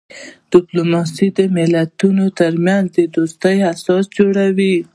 ډیپلوماسي د ملتونو ترمنځ د دوستۍ اساس جوړوي.